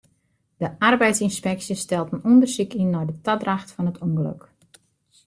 De arbeidsynspeksje stelt in ûndersyk yn nei de tadracht fan it ûngelok.